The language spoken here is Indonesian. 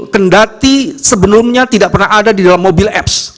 kendati sebelumnya tidak pernah ada di dalam mobil apps